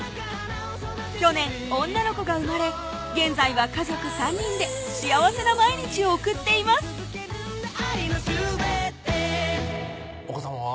去年女の子が産まれ現在は家族３人で幸せな毎日を送っていますお子さまは？